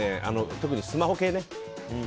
特にスマホ系ね。